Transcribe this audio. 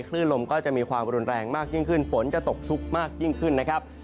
คลื่นลมก็จะมีความรุนแรงมากยิ่งขึ้นฝนจะตกชุกมากยิ่งขึ้นนะครับ